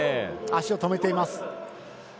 足を止めています。